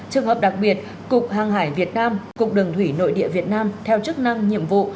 trường hợp đặc biệt cục hàng hải việt nam cục đường thủy nội địa việt nam theo chức năng nhiệm vụ